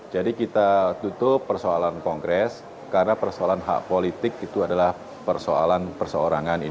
jadi kita tutup persoalan kongres karena persoalan hak politik itu adalah persoalan persoarangan ini